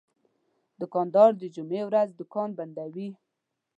دوکاندار د جمعې ورځ دوکان بندوي.